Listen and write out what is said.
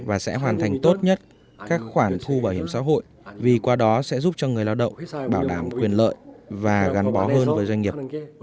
và sẽ hoàn thành tốt nhất các khoản thu bảo hiểm xã hội vì qua đó sẽ giúp cho người lao động bảo đảm quyền lợi và gắn bó hơn với doanh nghiệp